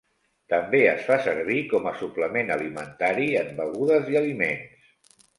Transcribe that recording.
També es fa servir com a suplement alimentari en begudes i aliments.